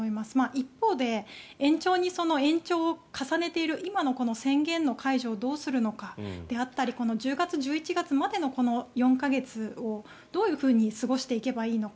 一方で、延長に延長を重ねている今の宣言の解除をどうするのかであったり１０月、１１月までのこの４か月をどういうふうに過ごしていけばいいのか。